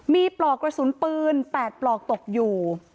มีปลอกกระสุนปืน๘ปลอกตกอยู่